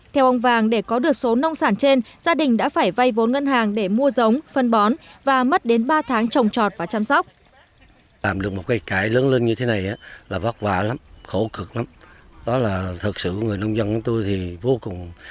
theo ông vàng để có được số nông sản trên gia đình đã phải vay vốn ngân hàng để mua giống phân bón và mất đến ba tháng trồng trọt và chăm sóc